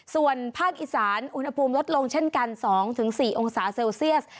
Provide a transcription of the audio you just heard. ส่วนภาคอีสานอุณหภูมิลดลงเช่นกัน๒๔องศาเซลเซียส